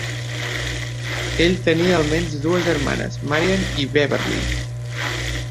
Ell tenia almenys dues germanes, Marian i Beverly.